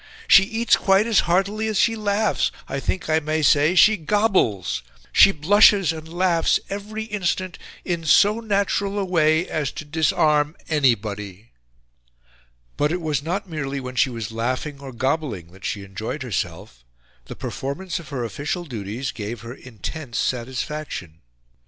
She eats quite as heartily as she laughs, I think I may say she gobbles... She blushes and laughs every instant in so natural a way as to disarm anybody." But it was not merely when she was laughing or gobbling that she enjoyed herself; the performance of her official duties gave her intense satisfaction.